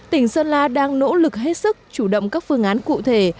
tỉnh sơn la đang nỗ lực hết sức chủ động các phương án cụ thể